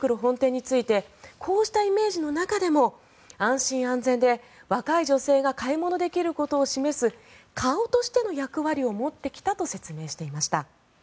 高野区長は会見でこういうイメージを持たれても安心安全で若い女性が買い物できることを示す顔としての役割を持ってきたと説明していました。